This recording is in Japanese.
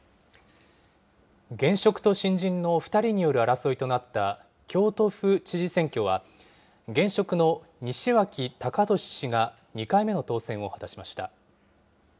現職と新人の２人による争いとなった京都府知事選挙は、現職の西脇隆俊氏が２回目の当選を果たしました。